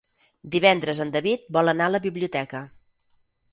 Divendres en David vol anar a la biblioteca.